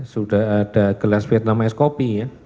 sudah ada gelas vietnam es kopi ya